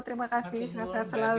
terima kasih sehat sehat selalu